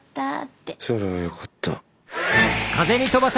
それはよかった。